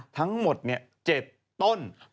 ทั้งหมดเนี่ยเจ็ดต้น